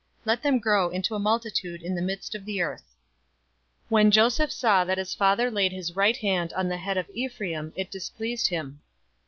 Let them grow into a multitude in the midst of the earth." 048:017 When Joseph saw that his father laid his right hand on the head of Ephraim, it displeased him.